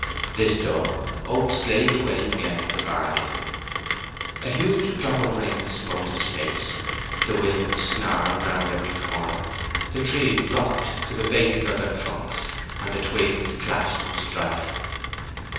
This done, Oak slaved away again at the barley. A huge drop of rain smote his face, the wind snarled round every corner, the trees rocked to the bases of their trunks, and the twigs clashed in strife.